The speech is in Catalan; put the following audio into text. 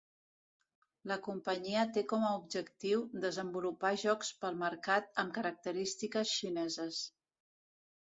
La companyia té com a objectiu desenvolupar jocs pel mercat amb característiques xineses.